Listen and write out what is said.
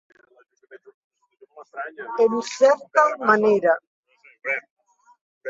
En certa manera.